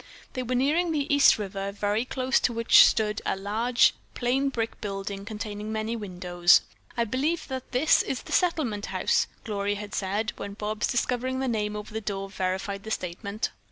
They were nearing the East River, very close to which stood a large, plain brick building containing many windows. "I believe that is the Settlement House," Gloria had just said, when Bobs, discovering the name over the door, verified the statement.